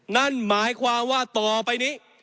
นั่นหมายความว่าต่อไปนี้